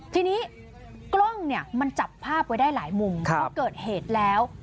ทีนี้กล้องเนี่ยมันจับภาพไว้ได้หลายมุมพอเกิดเหตุแล้ว